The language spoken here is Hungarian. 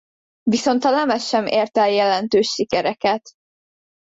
Viszont a lemez sem ért el jelentős sikereket.